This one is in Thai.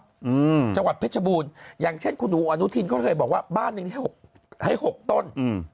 จังหวัดเจ้าหวัดเพชรบูรณ์อย่างเช่นคุณอู๋อานุทินก็เลยบอกว่าบ้านให้๖ต้น